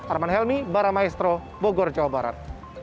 arman helmi baramaestro bogor jawa barat